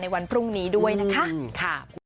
ในวัดบิวเบียร์กันจบไปแล้วนะคา